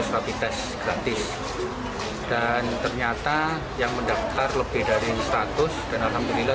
rapi tes gratis dan ternyata yang mendaftar lebih dari seratus dan alhamdulillah